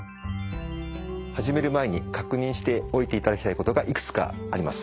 始める前に確認しておいていただきたいことがいくつかあります。